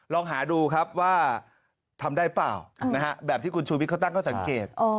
ลองหาดูครับว่าทำได้เปล่าแบบที่คุณชูวิทยเขาตั้งข้อสังเกต